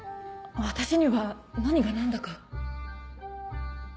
私には何が何だか。